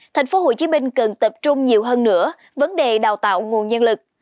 thành phố hồ chí minh cần tập trung nhiều hơn nữa vấn đề đào tạo nguồn nhân lực